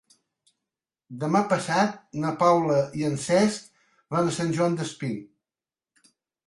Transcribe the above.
Demà passat na Paula i en Cesc van a Sant Joan Despí.